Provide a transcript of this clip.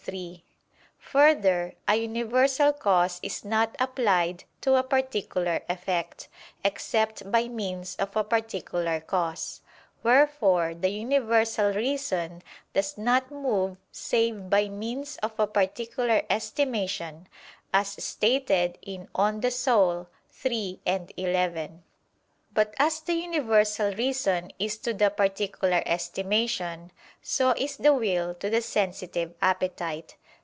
3: Further, a universal cause is not applied to a particular effect, except by means of a particular cause: wherefore the universal reason does not move save by means of a particular estimation, as stated in De Anima iii, 11. But as the universal reason is to the particular estimation, so is the will to the sensitive appetite.